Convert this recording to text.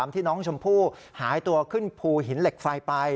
ที่น้องชมพู่หายตัวขึ้นภูหินเหล็กไฟไป